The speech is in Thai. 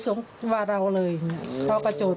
สองสามีภรรยาคู่นี้มีอาชีพ